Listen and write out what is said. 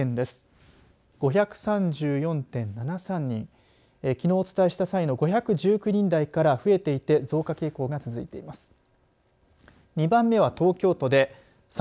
５３４．７３人きのうお伝えした際の５１９人台から増えていて増加傾向が続いています。